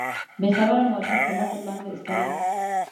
بېخبره مورخ په متن باندې استناد.